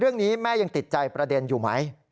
เรื่องนี้แม่ยังติดใจประเด็นอยู่ไหม